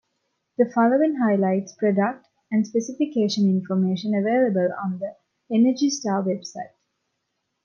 The following highlights product and specification information available on the Energy Star website.